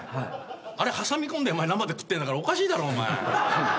あれ挟み込んで生で食ってるんだからおかしいだろお前。